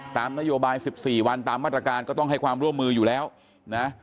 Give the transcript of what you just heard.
ตามนโยบาย๑๔วันตามมาตรการก็ต้องให้ความร่วมมืออยู่แล้วนะ